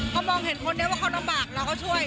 พอมองเห็นคนนี้ว่าเขาลำบากเราก็ช่วย